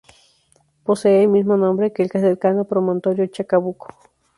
Posee el mismo nombre que el cercano Promontorio Chacabuco.